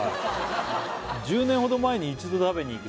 「１０年ほど前に一度食べに行き」